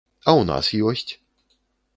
А ў нас ёсць!